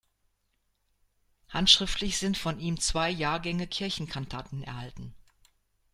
Handschriftlich sind von ihm zwei Jahrgänge Kirchenkantaten erhalten.